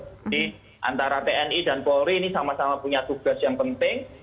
jadi antara tni dan polri ini sama sama punya tugas yang penting